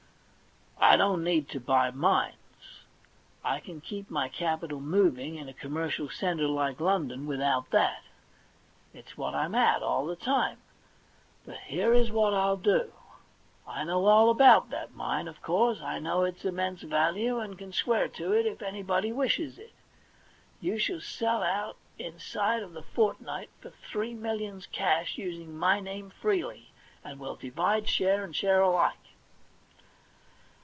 I don't need to buy mines ; I can keep my capital moving, in a commercial centre like London, without that ; it's what I'm at, all the time ; but here is what I'll do. I know all about that mine, of course ; I know its immense value, and can swear to it if anybody wishes it. You shall sell out inside of the fortnight for three millions cash, using my name freely, and we'll divide, share and share alike.'